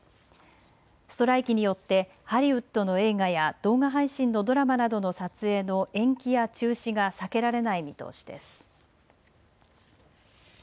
ストライキによってハリウッドの映画や動画配信のドラマなどの撮影の延期や中止が避けられない見通しです。